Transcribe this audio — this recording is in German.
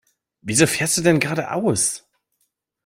Wieso fährst du denn geradeaus?